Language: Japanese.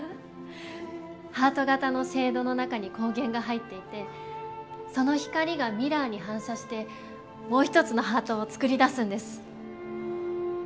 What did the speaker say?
ハート形のシェードの中に光源が入っていてその光がミラーに反射してもう一つのハートを作り出すんです。